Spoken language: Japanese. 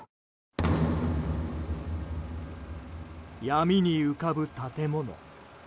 闇に浮かぶ建物。